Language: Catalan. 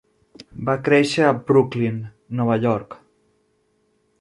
Va créixer a Brooklyn, Nova York.